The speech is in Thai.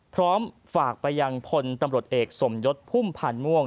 พร้อมฝากไปยังพลตำรวจเอกสมยศพุ่มพันธ์ม่วง